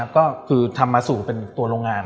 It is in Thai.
ก็คือทำมาสู่เป็นตัวโรงงาน